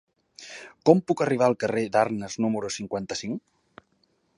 Com puc arribar al carrer d'Arnes número cinquanta-cinc?